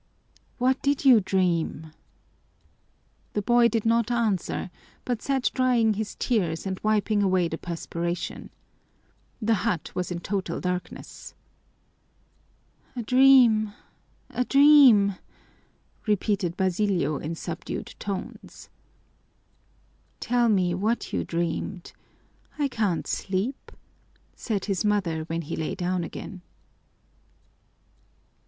"What did you dream?" The boy did not answer, but sat drying his tears and wiping away the perspiration. The hut was in total darkness. "A dream, a dream!" repeated Basilio in subdued tones. "Tell me what you dreamed. I can't sleep," said his mother when he lay down again.